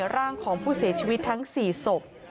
ร่างของผู้เสียชีวิตทั้ง๔ศพ